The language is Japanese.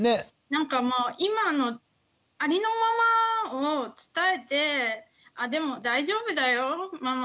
なんか今のありのままを伝えて「あでも大丈夫だよママ